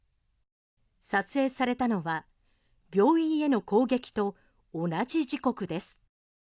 撮影されたのは病院への攻撃と同じ時刻です。